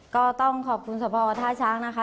ก็ต้องขอบคุณสภท่าช้างนะคะ